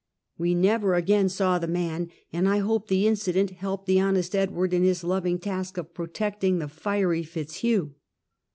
We never again saw the man, and I hope the inci dent lielped the honest Edward in his loving task of protecting the fiery Fitzhugh.